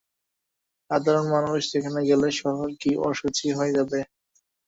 সাধারণ মানুষ সেখানে গেলে শহর কি অশুচি হয়ে যাবে?